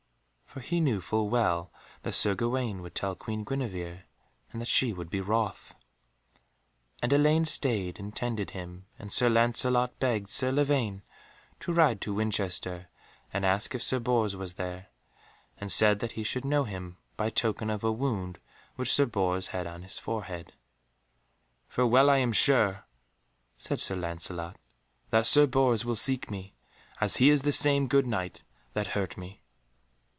For he knew full well that Sir Gawaine would tell Queen Guenevere, and that she would be wroth. And Elaine stayed and tended him, and Sir Lancelot begged Sir Lavaine to ride to Winchester and ask if Sir Bors was there, and said that he should know him by token of a wound which Sir Bors had on his forehead. "For well I am sure," said Sir Lancelot, "that Sir Bors will seek me, as he is the same good Knight that hurt me."